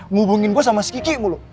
ngubungin gue sama si kikimu lo